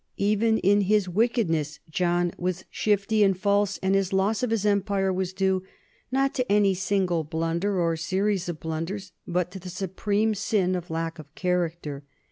Even in his wicked ness John was shifty and false, and his loss of his empire was due, not to any single blunder or series of blunders, but to the supreme sin of lack of character.